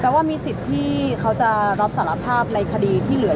แต่ว่ามีสิทธิ์ที่เขาจะรับสารภาพในคดีที่เหลือ